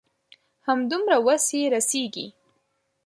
همدومره وس يې رسيږي.